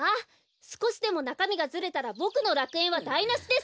すこしでもなかみがずれたらぼくのらくえんはだいなしです。